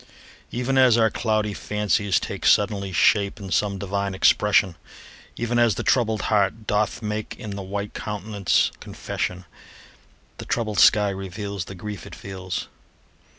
Even as our cloudy fancies take Suddenly shape in some divine expression, Even as the troubled heart doth make In the white countenance confession, The troubled sky reveals The grief it feels.